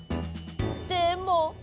でも。